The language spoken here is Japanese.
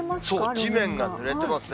地面がぬれてますね。